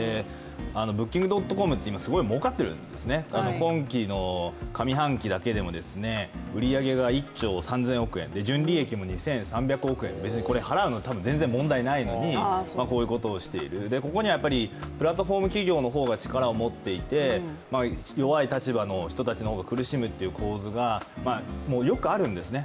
Ｂｏｏｋｉｎｇ．ｃｏｍって今、すごいもうかっているんですね、今季の上半期だけでも売り上げが１兆３０００億円別にこれ払うのは全然問題ないのにこういうことをしている、ここにはプラットフォーム企業の方が力を持っていて、弱い立場の人たちが苦しむという構図が、よくあるんですね。